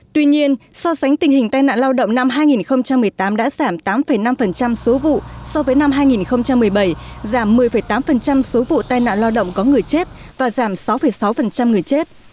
tuy nhiên so sánh tình hình tai nạn lao động năm hai nghìn một mươi tám đã giảm tám năm số vụ so với năm hai nghìn một mươi bảy giảm một mươi tám số vụ tai nạn lao động có người chết và giảm sáu sáu người chết